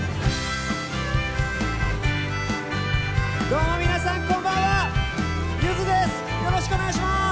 どうも皆さんこんばんはゆずです。